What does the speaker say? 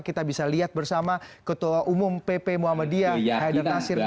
kita bisa lihat bersama ketua umum pp muhammadiyah haidar nasir